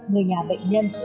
người nhà bệnh nhân